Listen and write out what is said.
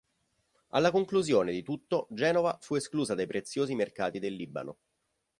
Alla conclusione di tutto Genova fu esclusa dai preziosi mercati del Libano.